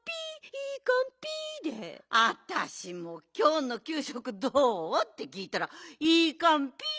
わたしも「きょうのきゅうしょくどう？」ってきいたら「イイカンピー！」